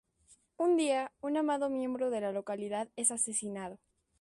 Un dia un amado miembro de la localidad es asesinado.